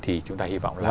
thì chúng ta hy vọng